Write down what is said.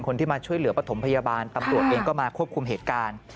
คนที่มาช่วยเหลือปฐมพยาบาลตำรวจเองก็มาควบคุมเหตุการณ์